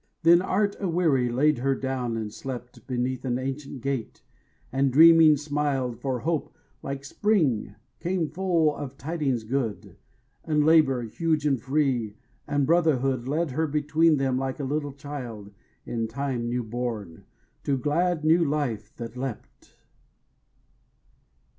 Then Art, aweary, laid her down and slept Beneath an ancient gate, and dreaming, smiled, For Hope, like spring, came full of tidings good; And Labour, huge and free, and Brotherhood Led her between them like a little child In time new born, to glad new life that leapt.